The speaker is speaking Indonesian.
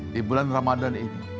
di bulan ramadhan ini